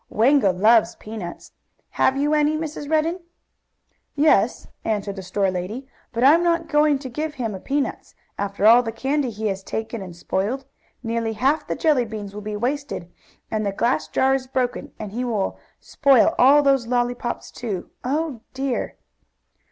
"Wango loves peanuts. Have you any, Mrs. Redden?" "Yes," answered the store lady. "But I'm not going to give him peanuts, after all the candy he has taken and spoiled. Nearly half the jelly beans will be wasted, and the glass jar is broken, and he will spoil all those lollypops, too. Oh dear!"